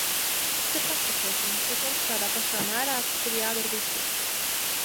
Tas ir pašsaprotami, bet mums tādā pašā mērā tas ir jādara visur.